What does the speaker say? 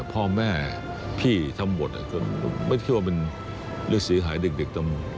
พ่อแม่พี่ทั้งหมดไม่เชื่อว่าเป็นเรื่องศรีหายเด็ก